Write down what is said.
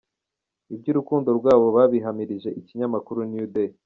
Iby'urukundo rwabo babihamirije ikinyamakuru New Day.